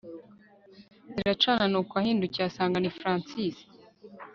ziracana nuko ahindukiye asanga ni Francis